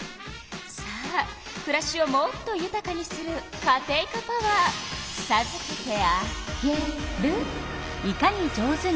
さあくらしをもっとゆたかにするカテイカパワーさずけてあげる。